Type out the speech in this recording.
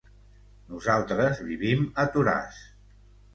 Nosaltres vivim a Toràs.